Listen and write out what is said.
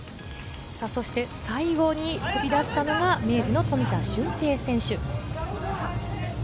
最後に飛び出したのが明治の富田峻平選手。